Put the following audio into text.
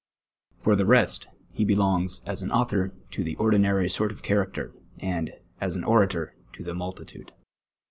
For the rest, he belongs, as an author, lo the ordinary sort of character, and, as an onitor, to the multitude.